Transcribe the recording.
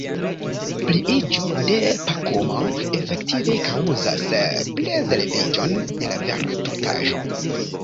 Pliiĝo de pakumo efektive kaŭzas prezleviĝon de la vara tutaĵo.